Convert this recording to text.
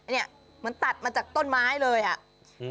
เหมือนตัดมาจากต้นไม้เลยอะ